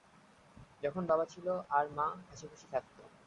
যখন বাবা ছিল, আর মা হাসিখুশি থাকতো।